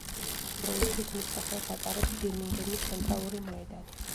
ამ დროისთვის მის სახელს ატარებს ბირმინგემის ცენტრალური მოედანი.